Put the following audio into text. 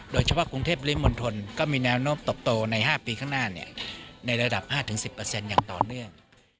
โดยเฉพาะกรุงเทพริมณฑลก็มีแนวโน้มตบโตใน๕ปีข้างหน้าในระดับ๕๑๐อย่างต่อเนื่อง